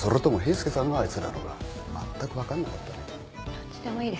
どっちでもいいか。